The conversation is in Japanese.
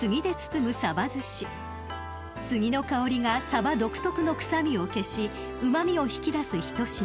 ［杉の香りがサバ独特の臭みを消しうま味を引き出す一品。